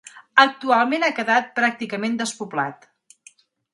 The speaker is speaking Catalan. Actualment ha quedat pràcticament despoblat.